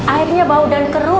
airnya bau dan keruh